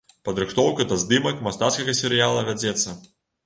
Падрыхтоўка да здымак мастацкага серыяла вядзецца.